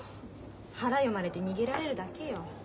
腹読まれて逃げられるだけよ。